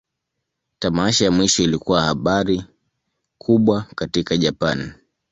Tamasha ya mwisho ilikuwa habari kubwa katika Japan.